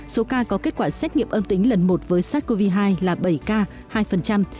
số ca có kết quả xét nghiệm âm tính lần một với sars cov hai là bảy ca hai